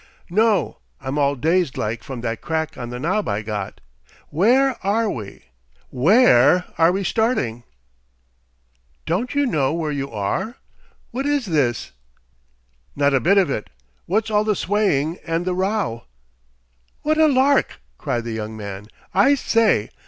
"No. I'm all dazed like from that crack on the nob I got. Where ARE we? WHERE are we starting?" "Don't you know where you are what this is?" "Not a bit of it! What's all the swaying and the row?" "What a lark!" cried the young man. "I say!